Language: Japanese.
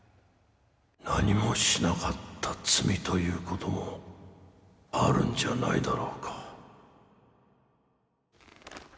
なにもしなかった罪ということもあるんじゃないだろうか。